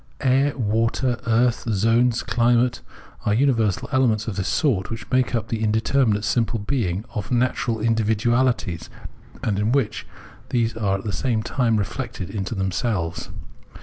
Air, water, earth, zones and climate are uni versal elements of this sort, which make up the indeter minate simple being of natural individuaUties, and in which these are at the same time reflected into them selves.